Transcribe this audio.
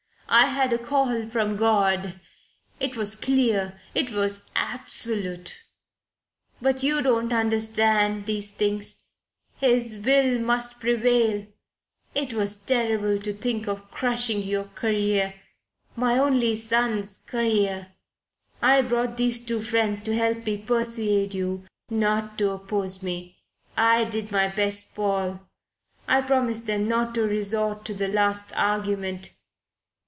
I had a call from God. It was clear. It was absolute. But you don't understand these things. His will must prevail. It was terrible to think of crushing your career my only son's career. I brought these two friends to help me persuade you not to oppose me. I did my best, Paul. I promised them not to resort to the last argument.